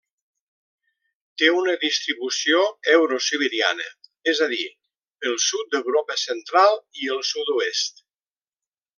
Té una distribució eurosiberiana, és a dir, pel sud d'Europa Central i del Sud-oest.